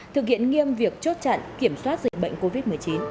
thực hiện nghiêm việc chốt chặn kiểm soát dịch bệnh covid một mươi chín